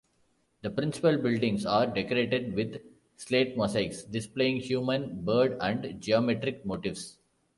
The principal buildings are decorated with slate mosaics displaying human, bird and geometric motifs.